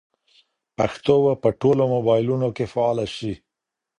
پښتو به په ټولو موبایلونو کې فعاله شي.